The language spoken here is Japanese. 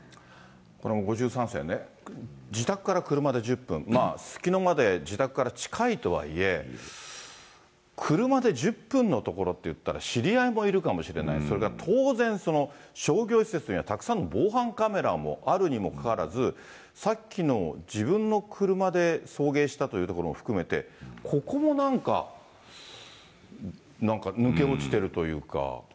この５３世ね、自宅から車で１０分、すすきのまで自宅から近いとはいえ、車で１０分の所っていったら知り合いもいるかもしれない、それから当然、商業施設にはたくさんの防犯カメラもあるにもかかわらず、さっきの自分の車で送迎したというところも含めて、ここもなんか、なんか抜け落ちてるというか。